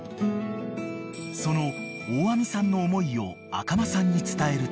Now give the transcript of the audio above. ［その大網さんの思いを赤間さんに伝えると］